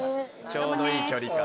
ちょうどいい距離感。